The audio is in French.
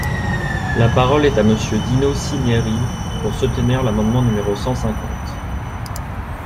La parole est à Monsieur Dino Cinieri, pour soutenir l’amendement numéro cent cinquante.